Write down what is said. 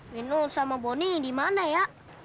mino sama bonnie di mana ya